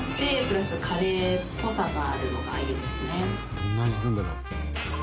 どんな味するんだろう？